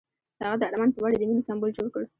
هغه د آرمان په بڼه د مینې سمبول جوړ کړ.